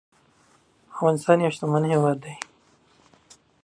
افغانستان يو شتمن هيواد دي